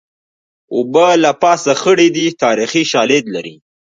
اوبه له پاسه خړې دي تاریخي شالید لري